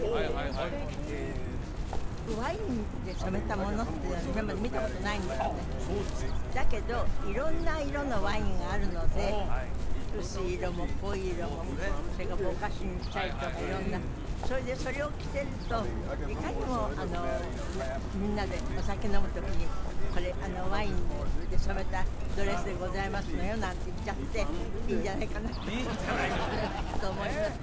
素敵ワインで染めたものっていうの今まで見たことないんですねだけど色んな色のワインがあるので薄い色も濃い色もそれからぼかしにしたりとか色んなそれでそれを着てるといかにもみんなでお酒飲む時に「これワインで染めたドレスでございますのよ」なんて言っちゃっていいんじゃないかなといいんじゃないかとねえと思います